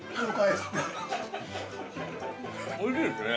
◆おいしいですね。